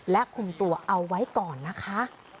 และคุมตัวเอาไว้ก่อนนะคะ